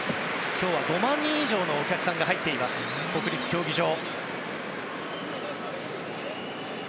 今日は５万人以上のお客さんが入っています、国立競技場。